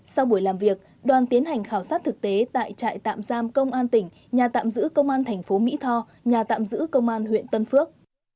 sau buổi làm việc đoàn tiến hành khảo sát thực tế tại trại tạm giam công an tỉnh nhà tạm giữ công an thành phố mỹ tho nhà tạm giữ công an huyện tân phước